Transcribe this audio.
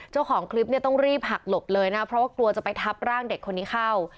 เจ้าของคลิปเนี่ยต้องรีบหักหลบเลยนะเพราะว่ากลัวจะไปทับร่างเด็กคนนี้เข้า